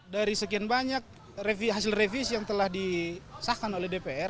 dari sekian banyak hasil revisi yang telah disahkan oleh dpr